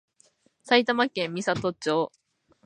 埼玉県美里町